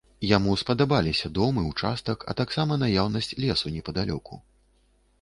Яму спадабаліся дом і ўчастак, а таксама наяўнасць лесу непадалёку.